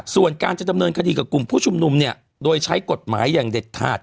ส่วนการจะดำเนินคดีกับกลุ่มผู้ชุมนุมเนี่ยโดยใช้กฎหมายอย่างเด็ดขาด